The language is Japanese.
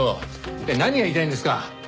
一体何が言いたいんですか？